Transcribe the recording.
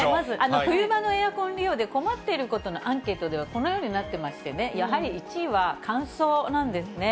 冬場のエアコン利用で困っていることのアンケートでは、このようになってましてね、やはり１位は乾燥なんですね。